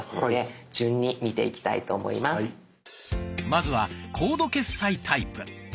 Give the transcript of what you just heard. まずは「コード決済」タイプ。